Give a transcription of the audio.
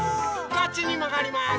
こっちにまがります。